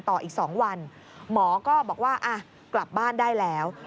ต่ออีก๒วันหมอก็บอกว่ากลับบ้านได้แล้ว